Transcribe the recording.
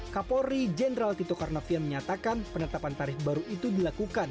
kapolri jenderal tito karnavian menyatakan penetapan tarif baru itu dilakukan